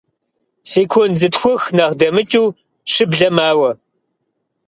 Секунд зытхух нэхъ дэмыкӀыу щыблэ мауэ.